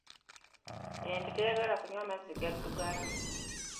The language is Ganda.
Ente teyagala kunywa mazzi gaddugala.